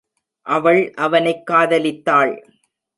அவள் அவனைக் காதலித்தாள்.